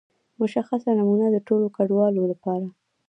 مشخصه نمونه د ټولو ګډونوالو لپاره.